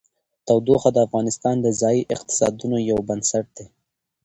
تودوخه د افغانستان د ځایي اقتصادونو یو بنسټ دی.